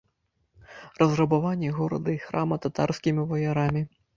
Разрабаванне горада і храма татарскімі ваярамі.